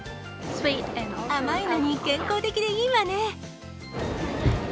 甘いのに健康的でいいわね。